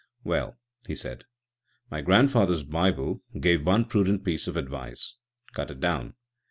"Well," he said, "my grandfather's Bible gave one prudent piece of advice â€" Cut it down.